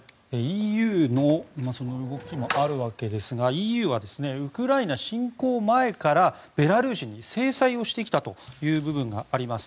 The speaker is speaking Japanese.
ＥＵの動きもあるわけですがＥＵはウクライナ侵攻前からベラルーシに制裁をしてきたという部分があります。